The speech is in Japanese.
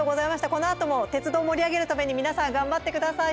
このあとも鉄道を盛り上げるために皆さん頑張ってください。